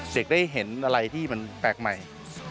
เด็กได้เห็นอะไรที่มันแปลกใหม่